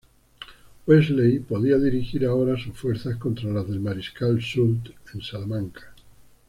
Wellesley podía dirigir ahora sus fuerzas contra las del mariscal Soult en Salamanca.